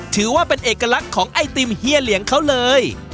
ถือว่าเป็นเอกลักษณ์ของไอติมเฮียเหลียงเขาเลย